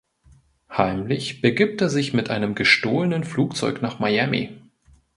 Heimlich begibt er sich mit einem gestohlenen Flugzeug nach Miami.